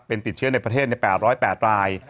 เป็นติดเชื้อในประเทศใน๘๐๘ราย